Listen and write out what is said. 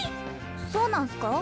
そうなんすか？